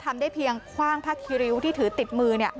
ไม่เพียงคว่างพระคิริวที่ถือติดมือ